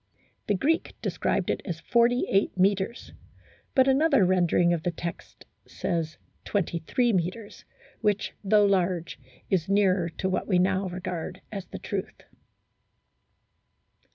The Greek described it as 48 metres ; but another rendering of the text says 23 metres, which, though laro e, is nearer to what we now regard as the truth.